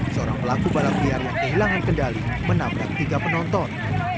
seorang pelaku balap liar yang kehilangan kendali menabrak tiga penonton